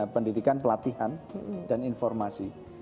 pendidikan pelatihan dan informasi